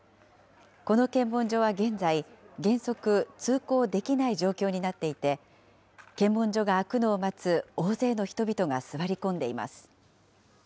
この検問所は現在、原則通行できない状況になっていて、検問所が開くのを待つ大勢の人々が座り込んでいます。